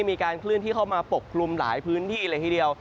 มีการเคลื่อนที่เข้ามาปกคลุมหลายพื้นที่เลยทีเดียว